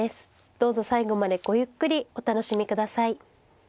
どうぞ最後までごゆっくりお楽しみ下さい。